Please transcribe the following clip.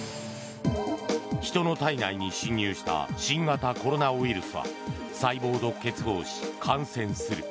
ヒトの体内に侵入した新型コロナウイルスは細胞と結合し感染する。